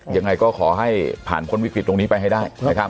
ยังไงก็ขอให้ผ่านพ้นวิกฤตตรงนี้ไปให้ได้นะครับ